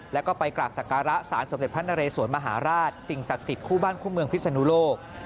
แล้วก็ไปกราบสักการะสารสมเด็จพระนเรสวนมหาราชสิ่งศักดิ์สิทธิ์คู่บ้านคู่เมืองพิศนุโลก